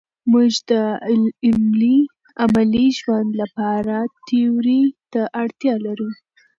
موږ د عملي ژوند لپاره تیوري ته اړتیا لرو.